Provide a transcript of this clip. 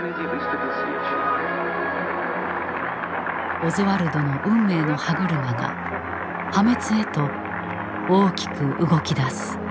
オズワルドの運命の歯車が破滅へと大きく動きだす。